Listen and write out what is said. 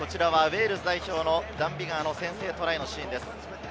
こちらはウェールズ代表のダン・ビガーの先制トライのシーンです。